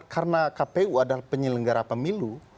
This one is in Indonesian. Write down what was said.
karena kpu adalah penyelenggara pemilu